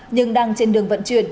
nhưng đang trên đường vận chuyển